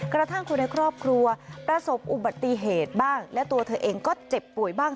กระทั่งคนในครอบครัวประสบอุบัติเหตุบ้างและตัวเธอเองก็เจ็บป่วยบ้าง